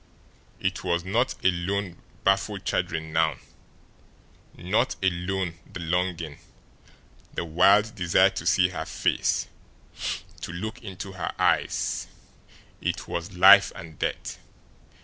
It was not alone baffled chagrin now, not alone the longing, the wild desire to see her face, to look into her eyes it was life and death.